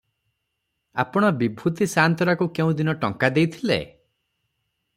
"ଆପଣ ବିଭୂତି ସାଆନ୍ତରାକୁ କେଉଁଦିନ ଟଙ୍କା ଦେଇଥିଲେ?"